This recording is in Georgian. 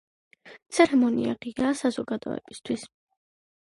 ცერემონია ღიაა საზოგადოებისთვის.